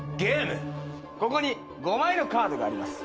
ここに５枚のカードがあります。